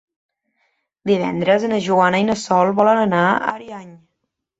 Divendres na Joana i na Sol volen anar a Ariany.